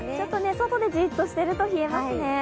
外でじっとしていると冷えますね。